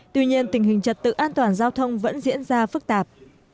tuy nhiên tình hình trật tự an toàn giao thông vẫn diễn ra phức tạp